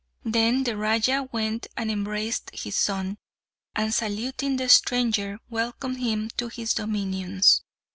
Then the Raja went and embraced his son, and saluting the stranger welcomed him to his dominions.